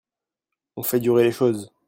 On fait durer les choses.